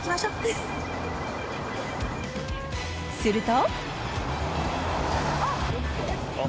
すると。